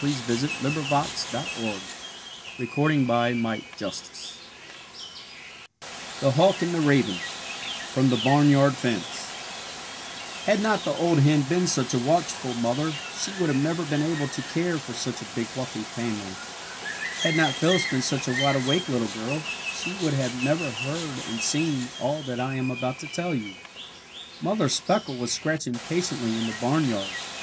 Two or three broods in a season. THE HAWK AND THE RAVEN [Illustration: The Hawk] FROM THE BARNYARD FENCE Had not the old hen been such a watchful mother she would never have been able to care for such a big, fluffy family. Had not Phyllis been such a wide awake little girl, she would have never heard and seen all that I am about to tell you. Mother Speckle was scratching patiently in the barnyard.